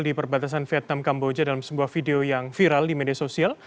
di perbatasan vietnam kamboja dalam sebuah video yang viral di media sosial